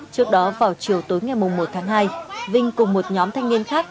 trước đó vào chiều tối ngày một tháng hai vinh cùng một nhóm thanh niên khác